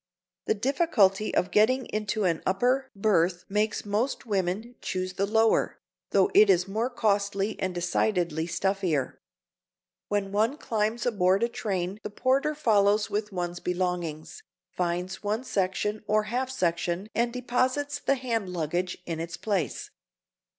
The difficulty of getting into an upper berth makes most women choose the lower, though it is more costly and decidedly stuffier. When one climbs aboard a train the porter follows with one's belongings, finds one's section or half section and deposits the hand luggage in its place.